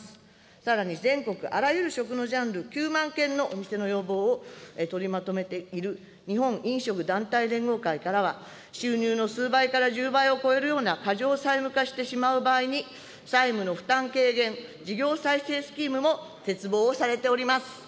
さらに全国あらゆる食のジャンル９万件のお店の要望を取りまとめている、日本飲食団体連合会からは、収入の数倍から１０倍を超えるような過剰債務化してしまう場合に、債務の負担軽減、事業再生スキームも切望をされております。